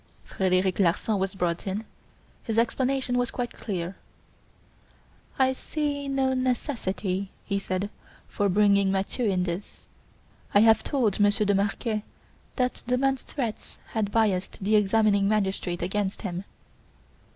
Frederic Larsan was brought in. His explanation was quite clear. "I see no necessity," he said, "for bringing Mathieu in this. I have told Monsieur de Marquet that the man's threats had biassed the examining magistrate against him.